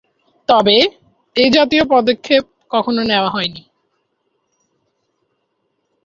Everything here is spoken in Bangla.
তবে এ জাতীয় পদক্ষেপ কখনো নেওয়া হয়নি।